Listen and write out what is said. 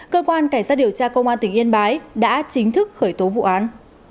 cơ quan cảnh sát điều tra công an tỉnh yên bái đã chính thức khởi tố vụ án